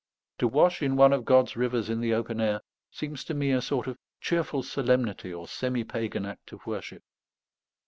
To wash in one of God's rivers in the open air seems to me a sort of cheerful solemnity or semi pagan act of worship.